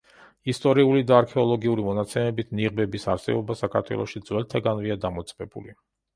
ისტორიული და არქეოლოგიური მონაცემებით, ნიღბების არსებობა საქართველოში ძველთაგანვეა დამოწმებული.